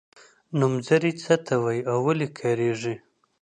نومځري څه ته وايي او ولې کاریږي.